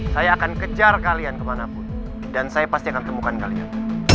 saya akan kejar kalian kemanapun dan saya pasti akan temukan kalian